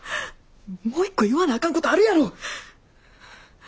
もう一個言わなあかんことあるやろ！